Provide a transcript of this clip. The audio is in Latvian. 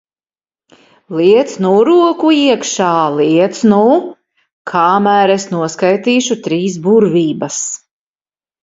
Liec nu roku iekšā, liec nu! Kamēr es noskaitīšu trīs burvības.